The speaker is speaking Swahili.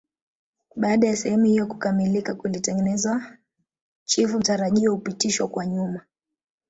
Baada ya sehemu hiyo kukamilika kutengenezwa chifu mtarajiwa hupitishwa kwa nyuma